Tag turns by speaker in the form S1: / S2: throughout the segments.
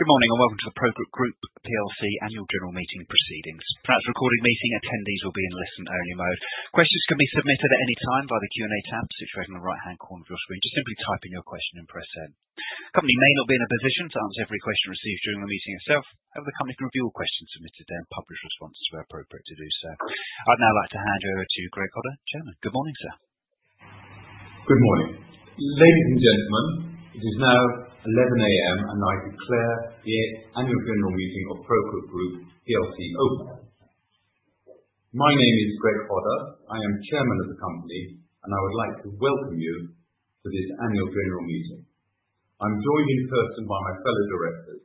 S1: Good morning, and welcome to the ProCook Group PLC annual general meeting proceedings. Today's a recorded meeting. Attendees will be in listen-only mode. Questions can be submitted at any time by the Q&A tab situated in the right-hand corner of your screen. Just simply type in your question and press send. The company may not be in a position to answer every question received during the meeting itself. The company can review all questions submitted and publish responses where appropriate to do so. I'd now like to hand you over to Greg Hodder, chairman. Good morning, sir.
S2: Good morning. Ladies and gentlemen, it is now 11:00 A.M. I declare the annual general meeting of ProCook Group PLC open. My name is Greg Hodder. I am chairman of the company. I would like to welcome you to this annual general meeting. I am joined in person by my fellow directors,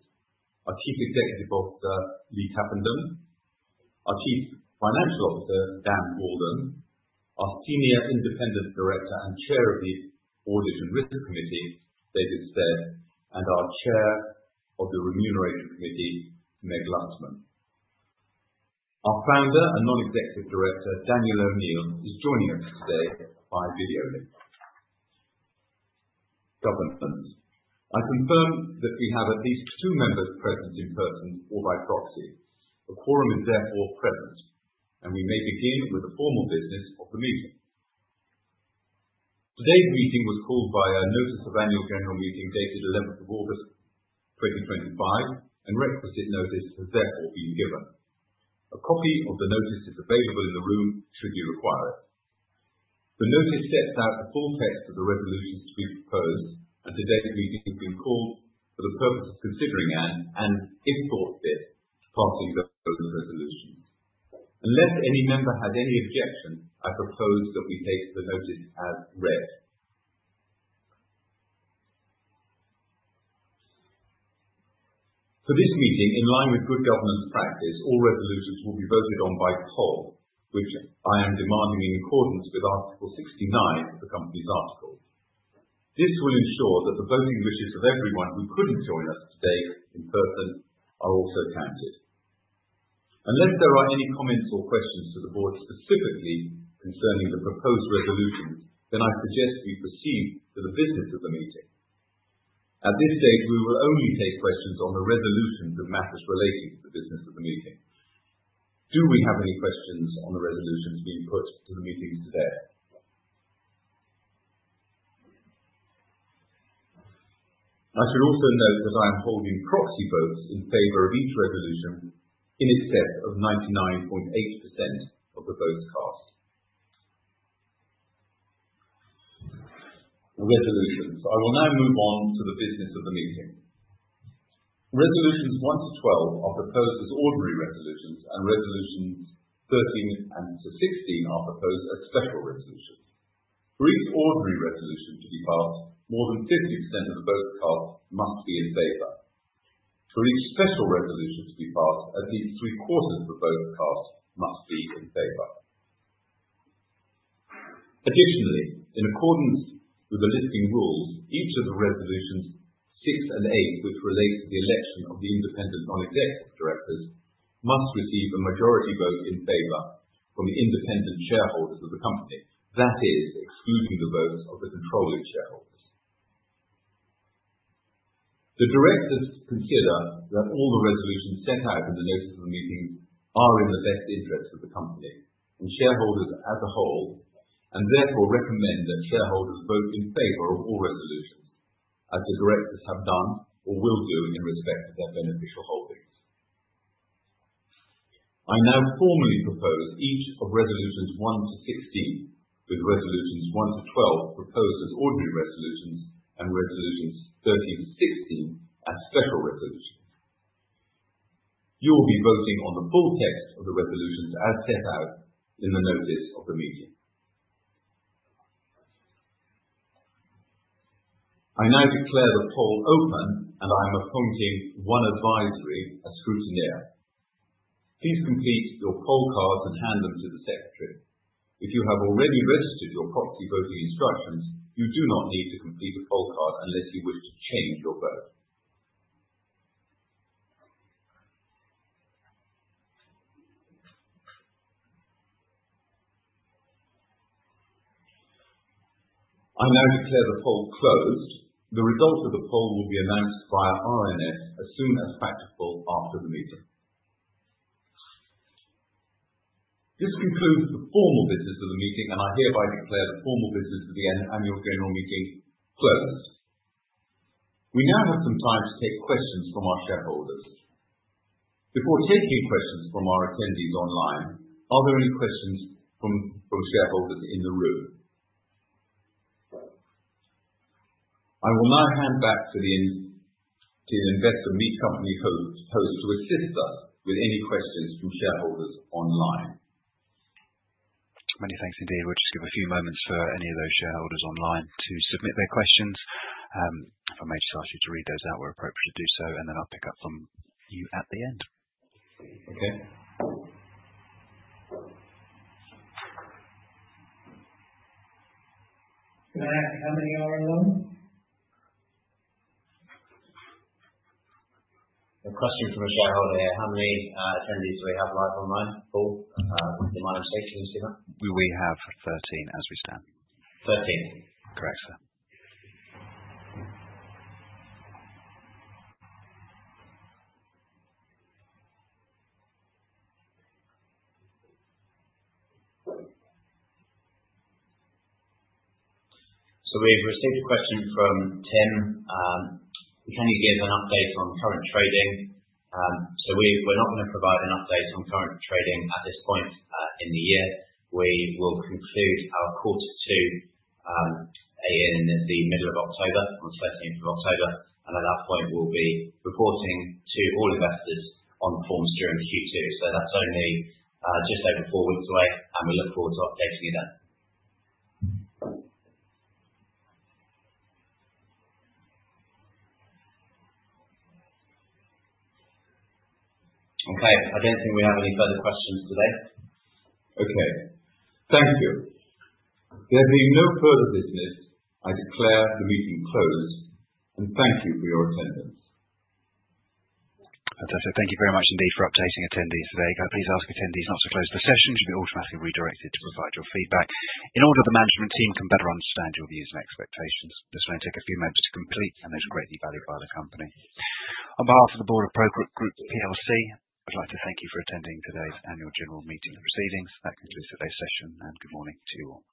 S2: our Chief Executive Officer, Lee Tappenden, our Chief Financial Officer, Dan Walden, our Senior Independent Director and Chair of the Audit and Risk Committee, David Stead, our Chair of the Remuneration Committee, Meg Lustman. Our founder and Non-Executive Director, Daniel O'Neill, is joining us today via video link. Governance. I confirm that we have at least two members present in person or by proxy. A quorum is therefore present. We may begin with the formal business of the meeting. Today's meeting was called by a notice of annual general meeting dated 11th of August 2025. Requisite notice has therefore been given. A copy of the notice is available in the room should you require it. The notice sets out the full text of the resolutions to be proposed. Today's meeting has been called for the purpose of considering and, if thought fit, passing those resolutions. Unless any member has any objection, I propose that we take the notice as read. For this meeting, in line with good governance practice, all resolutions will be voted on by poll, which I am demanding in accordance with Article 69 of the company's articles. This will ensure that the voting wishes of everyone who could not join us today in person are also counted. Unless there are any comments or questions to the board specifically concerning the proposed resolutions, I suggest we proceed to the business of the meeting. At this stage, we will only take questions on the resolutions of matters relating to the business of the meeting. Do we have any questions on the resolutions being put to the meeting today? I should also note that I am holding proxy votes in favor of each resolution in excess of 99.8% of the votes cast. Resolutions. I will now move on to the business of the meeting. Resolutions 1 to 12 are proposed as ordinary resolutions. Resolutions 13 to 16 are proposed as special resolutions. For each ordinary resolution to be passed, more than 50% of the votes cast must be in favor. For each special resolution to be passed, at least three-quarters of the votes cast must be in favor. Additionally, in accordance with the listing rules, each of the resolutions six and eight, which relate to the election of the independent non-executive directors, must receive a majority vote in favor from the independent shareholders of the company, that is, excluding the votes of the controlling shareholders. The directors consider that all the resolutions set out in the notice of the meeting are in the best interest of the company and shareholders as a whole and therefore recommend that shareholders vote in favor of all resolutions as the directors have done or will do in respect of their beneficial holdings. I now formally propose each of resolutions one to 16, with resolutions one to 12 proposed as ordinary resolutions and resolutions 13 to 16 as special resolutions. You will be voting on the full text of the resolutions as set out in the notice of the meeting. I now declare the poll open, I am appointing Link Group, a scrutineer. Please complete your poll cards and hand them to the secretary. If you have already registered your proxy voting instructions, you do not need to complete the poll card unless you wish to change your vote. I now declare the poll closed. The result of the poll will be announced via RNS as soon as practicable after the meeting. This concludes the formal business of the meeting, I hereby declare the formal business of the annual general meeting closed. We now have some time to take questions from our shareholders. Before taking questions from our attendees online, are there any questions from shareholders in the room? I will now hand back to the Investor Meet Company host to assist us with any questions from shareholders online.
S1: Many thanks indeed. We'll just give a few moments for any of those shareholders online to submit their questions. If I may just ask you to read those out where appropriate to do so, then I'll pick up from you at the end.
S2: Okay.
S3: Can I ask how many are online?
S4: A question from a shareholder. How many attendees do we have live online, Paul? In my instruction, is it not?
S1: We have 13 as we stand.
S4: Thirteen?
S1: Correct, sir.
S4: We've received a question from Tim. Can you give an update on current trading? We're not going to provide an update on current trading at this point in the year. We will conclude our quarter two in the middle of October, on the 13th of October, and at that point, we'll be reporting to all investors on performance during Q2. That's only just over four weeks away, and we look forward to updating you then. Okay. I don't think we have any further questions today.
S2: Okay. Thank you. There being no further business, I declare the meeting closed, and thank you for your attendance.
S1: Fantastic. Thank you very much indeed for updating attendees today. Can I please ask attendees not to close the session? You should be automatically redirected to provide your feedback in order that the management team can better understand your views and expectations. This may take a few moments to complete and is greatly valued by the company. On behalf of the board of ProCook Group PLC, I'd like to thank you for attending today's annual general meeting proceedings. That concludes today's session, and good morning to you all.